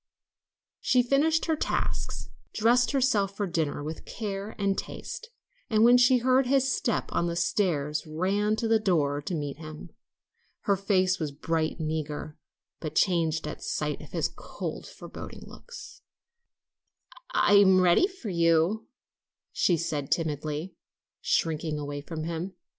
She finished her tasks, dressed herself for dinner with care and taste, and when she heard his step on the stairs ran to the door to meet him. Her face was bright and eager, but changed at sight of his cold, forbidding looks. "I am ready for you," she said timidly, shrinking away from him.